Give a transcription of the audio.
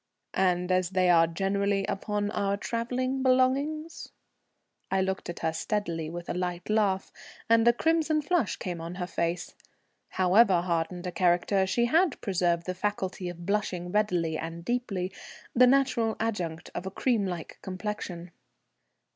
"And as they are generally upon our travelling belongings." I looked at her steadily with a light laugh, and a crimson flush came on her face. However hardened a character, she had preserved the faculty of blushing readily and deeply, the natural adjunct of a cream like complexion.